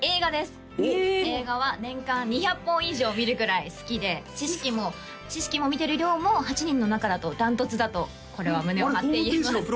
映画は年間２００本以上見るぐらい好きで知識も知識も見てる量も８人の中だと断トツだとこれは胸を張って言えますあれ？